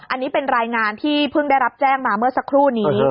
อันนี้เป็นรายงานที่เพิ่งได้รับแจ้งมาเมื่อสักครู่นี้